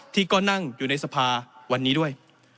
ที่ก็นั่งอยู่ในสภาวันนี้ด้วย